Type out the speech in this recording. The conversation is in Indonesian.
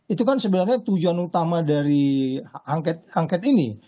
itu kan sebenarnya tujuan utama dari hak angket ini